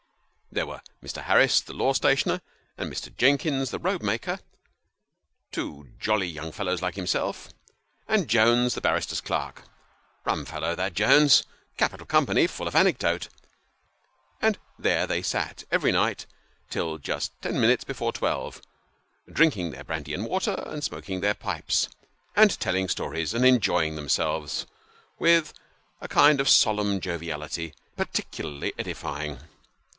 There were Mr. Harris, the law stationer, and Mr. Jennings, the robe maker (two jolly young fellows like himself), and Jones, the barrister's clerk rum fellow that Jones capital company full of anecdote ! and there they sat every night till just ten minutes before twelve, drinking their brandy and water, and smoking their pipes, and telling stories, and enjoying themselves with a kind of solemn joviality particularly edifying.